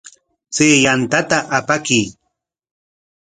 Chay yantata apakuy.